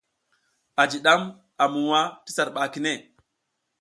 A jiɗam a muwa ti sar ɓa kine.